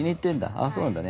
ああそうなんだね。